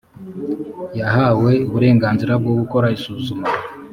yhawe uburenganzira bwo gukora isuzuma